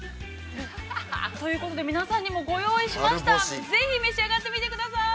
◆ということで、皆さんにもご用意しました、ぜひ、召し上がってみてください。